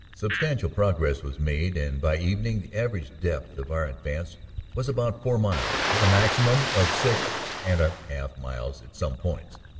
Substantial progress was made, and by evening the average depth of our advance was about four miles, with a maximum of six and a half miles at some points.